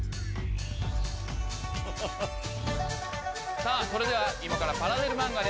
さぁそれでは今からパラデル漫画で